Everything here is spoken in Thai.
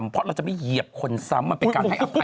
เพราะเราจะไม่เหยียบคนซ้ำมันเป็นการให้อภัย